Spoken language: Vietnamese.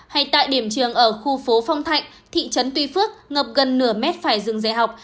hay tại điểm trường ở khu phố phong thạnh thị trấn tuy phước ngập gần nửa mét phải dừng dạy học